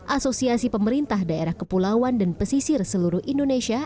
asosiasi pemerintah daerah kepulauan dan pesisir seluruh indonesia